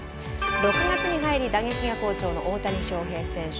６月に入り打撃が好調の大谷翔平選手。